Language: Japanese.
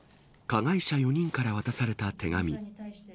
加害者４人から渡された手紙。